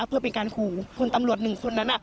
เพื่อเป็นการขู่คนตำรวจหนึ่งคนนั้น